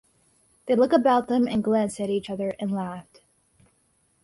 They looked about them and glanced at each other and laughed.